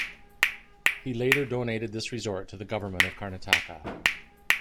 He later donated this resort to the Government of Karnataka.